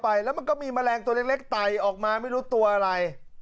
ไปแล้วมันก็มีแมลงตัวเล็กต่อมาไม่รู้ตัวอะไร